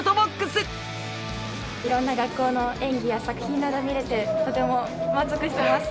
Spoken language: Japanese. いろんな学校の演技や作品など見れてとても満足してます。